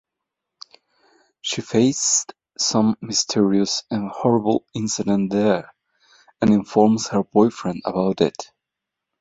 She faced some mysterious and horrible incident there and informs her boyfriend about it.